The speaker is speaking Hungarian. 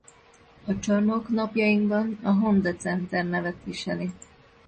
A csarnok napjainkban a Honda Center nevet viseli.